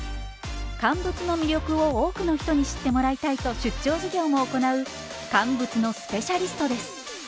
乾物の魅力を多くの人に知ってもらいたいと出張授業も行う乾物のスペシャリストです。